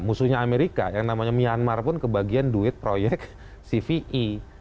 musuhnya amerika yang namanya myanmar pun kebagian duit proyek cpe